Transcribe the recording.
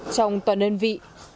trong toàn nhân vị